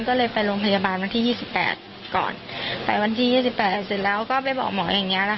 ก็เลยไปโรงพยาบาลวันที่๒๘ก่อนไปวันที่๒๘เสร็จแล้วก็ไปบอกหมออย่างเงี้นะคะ